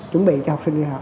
chuẩn bị cho học sinh đi học